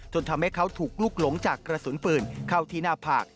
ทำให้เขาถูกลุกหลงจากกระสุนปืนเข้าที่หน้าผาก